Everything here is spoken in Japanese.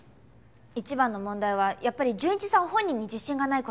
一番の問題はやっぱり潤一さん本人に自信がない事だと思いますし。